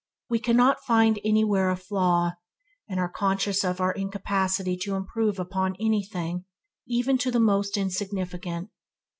We cannot find anywhere a flaw, and are conscious of our incapacity to improve upon anything, even to the most insignificant.